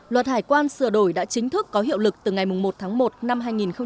luật hải quan sửa đổi đã chính thức có hiệu lực từ ngày một tháng một năm hai nghìn hai mươi